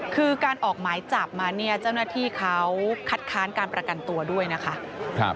คือการออกหมายจับมาเนี่ยเจ้าหน้าที่เขาคัดค้านการประกันตัวด้วยนะคะ